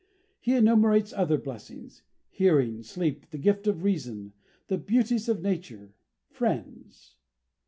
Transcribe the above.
He enumerates other blessings hearing, sleep, the gift of reason, the beauties of nature, friends.